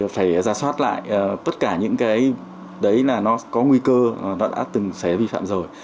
phải ra soát lại tất cả những cái đấy là nó có nguy cơ đã từng xảy vi phạm rồi